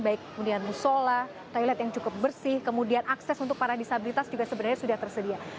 baik kemudian musola toilet yang cukup bersih kemudian akses untuk para disabilitas juga sebenarnya sudah tersedia